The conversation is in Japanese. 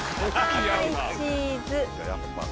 はい、チーズ。